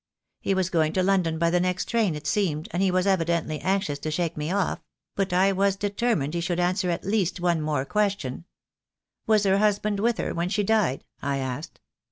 He was going to London by the next train it seemed, and he was evidently anxious to shake me off — but I was determined he should answer at least one more question. 'Was her husband with her when she died?' I asked.